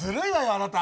あなた。